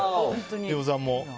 飯尾さんも？